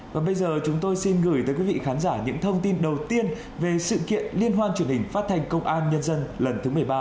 và bây giờ chúng tôi xin gửi tới quý vị khán giả những thông tin đầu tiên về sự kiện liên hoan truyền hình phát thanh công an nhân dân lần thứ một mươi ba